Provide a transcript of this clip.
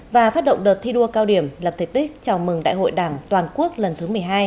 và phát động đợt thi đua cao điểm lập thể tích chào mừng đại hội đảng toàn quốc lần thứ một mươi hai